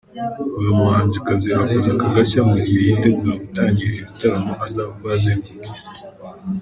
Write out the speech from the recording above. Uyu muhanzikazi akoze aka gashya mu gihe yitegura gutangirira ibitaramo azakora azenguruka isi.